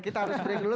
kita harus break dulu